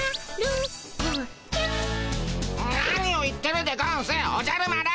何を言ってるでゴンスおじゃる丸。